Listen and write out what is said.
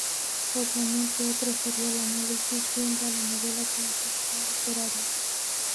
Obviamente, otro sería el análisis viendo a la novela como ficción literaria.